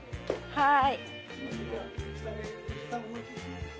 はい。